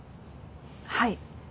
はい。